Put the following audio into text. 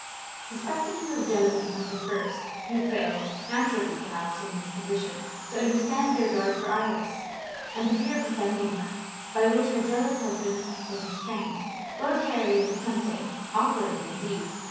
Suspecting him of jealousy from the first, Hugh failed naturally perhaps in his position to understand the regard for Iris, and the fear of offending her, by which her jealous husband was restrained. Lord Harry was attempting (awkwardly indeed!)